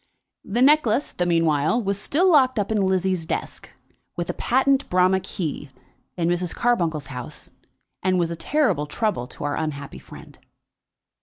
The necklace, the meanwhile, was still locked up in Lizzie's desk, with a patent Bramah key, in Mrs. Carbuncle's house, and was a terrible trouble to our unhappy friend.